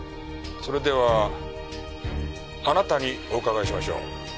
それではあなたにお伺いしましょう。